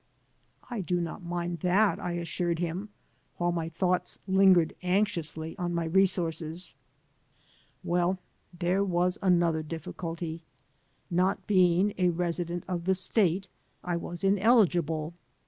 "I do not mind that," I assured him, while my thoughts lingered anxiously on my resources. Well, there was another difficulty. Not being a resident of the State, I was ineligible.